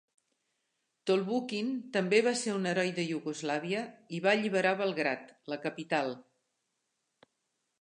Tolbukhin també va ser un heroi d'Iugoslàvia i va alliberar Belgrad, la capital.